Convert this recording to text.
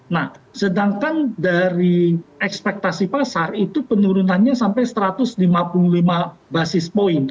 nah sedangkan dari ekspektasi pasar itu penurunannya sampai satu ratus lima puluh lima basis point